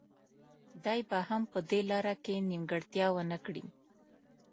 دی به هم په دې لاره کې نیمګړتیا ونه کړي.